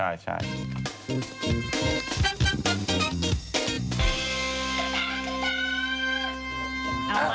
เอามาค่ะ